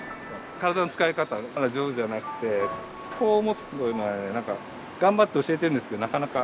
体の使い方がまだ上手じゃなくてこう持つっていうのは頑張って教えてるんですけどなかなか。